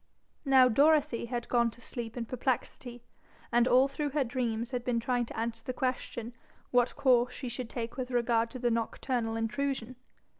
Now Dorothy had gone to sleep in perplexity, and all through her dreams had been trying to answer the question what course she should take with regard to the nocturnal intrusion.